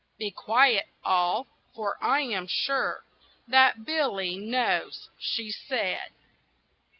"Be quiet, all! for I am sure That Billy knows!" she said.